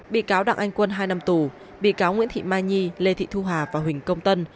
bị cáo đặng anh quân hai năm tù bị cáo nguyễn thị mai nhi lê thị thu hà và huỳnh công tân